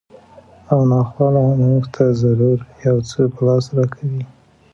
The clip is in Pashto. او ناخواله مونږ ته ضرور یو څه په لاس راکوي